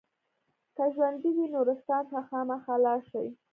که ژوندي وي نورستان ته خامخا لاړ شئ.